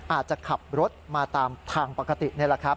อาจจะขับรถมาตามทางปกตินี่แหละครับ